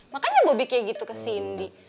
makanya bobby kayak gitu ke sindi